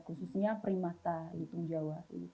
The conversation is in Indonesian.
khususnya primata lutung jawa